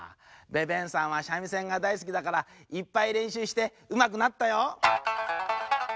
ベベンさんはしゃみせんがだいすきだからいっぱいれんしゅうしてうまくなったよ。